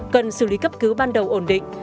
cần xử lý cấp cứu ban đầu ổn định